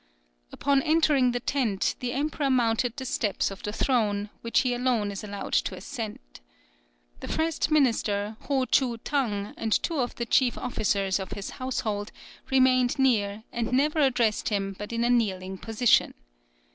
Upon entering the tent, the emperor mounted the steps of the throne, which he alone is allowed to ascend. The first minister, Ho Choo Tang, and two of the chief officers of his household, remained near, and never addressed him but in a kneeling position.